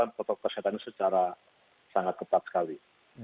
dan juga menerapkan protokol kesehatan secara sangat ketat sekali